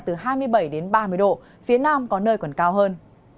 từ hai mươi bảy đến ba mươi độ phía nam có nơi còn cao hơn